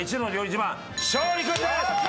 自慢勝利君です！